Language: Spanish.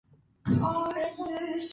Perteneció a la compañía de Teatro Español.